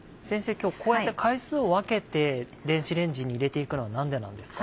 今日こうやって回数を分けて電子レンジに入れていくのは何でなんですか？